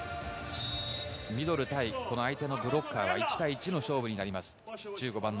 ミドル対相手のブロッカーは１対１の勝負になります。